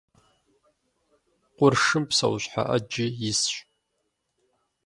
Къуршым псэущхьэ Ӏэджэ исщ.